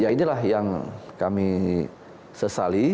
ya inilah yang kami sesali